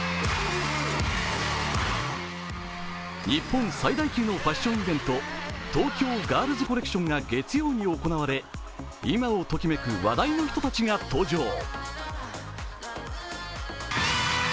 日本最大級のファッションイベント、東京ガールズコレクションが月曜に行われ今をときめく話題の人たちが登場。